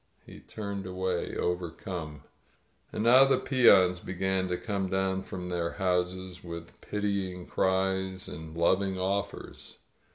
He turned away, overcome. And now the peons began to come down from their houses, with pitying cries and loving offers.